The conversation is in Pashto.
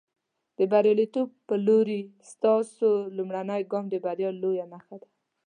د برياليتوب په لورې، ستاسو لومړنی ګام د بریا لویه نښه ده.